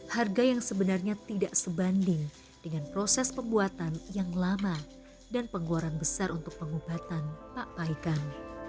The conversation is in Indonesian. harga yang sebenarnya tidak sebanding dengan proses pembuatan yang lama dan pengeluaran besar untuk pengobatan pak paikang